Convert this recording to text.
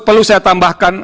perlu saya tambahkan